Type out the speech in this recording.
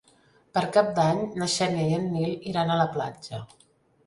Per Cap d'Any na Xènia i en Nil iran a la platja.